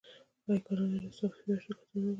آیا کاناډا د سافټویر شرکتونه نلري؟